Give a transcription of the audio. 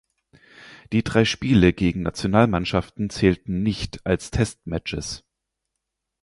Die drei Spiele gegen Nationalmannschaften zählten nicht als Test Matches.